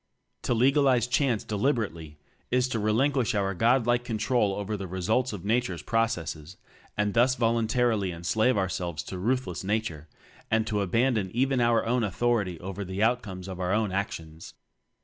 To legalize "chance" delib erately is to relinquish our Godlike control over the results of Nature's processes, and thus voluntarily enslave ourselves to ruthless Nature, and to abandon even our authority over the outcomes of our own actions.